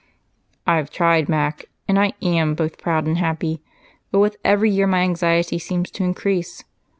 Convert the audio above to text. "I've tried, Mac, and I am both proud and happy, but with every year my anxiety seems to increase.